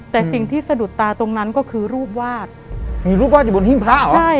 แต่สิ่งที่สะดุดตาตรงนั้นก็คือรูปวาดมีรูปวาดอยู่บนหิ้งพระเหรอใช่